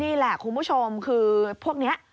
นี่แหละคุณผู้ชมคือพวกนี้